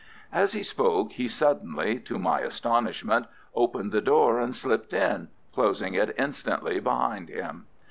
As he spoke he suddenly, to my astonishment, opened the door and slipped in, closing it instantly behind him.